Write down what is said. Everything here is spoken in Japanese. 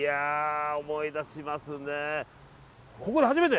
思い出しますね。